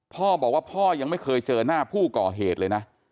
พ่อบอกว่าพ่อยังไม่เคยเจอหน้าผู้ก่อเหตุเลยนะ